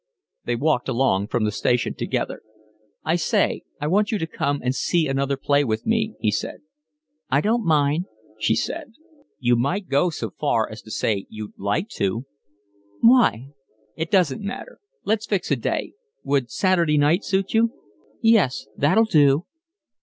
They walked along from the station together. "I say, I want you to come and see another play with me," he said. "I don't mind," she said. "You might go so far as to say you'd like to." "Why?" "It doesn't matter. Let's fix a day. Would Saturday night suit you?" "Yes, that'll do."